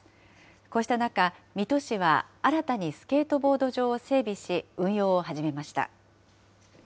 こうした中、水戸市は新たにスケートボード場を整備し、運用を始めました。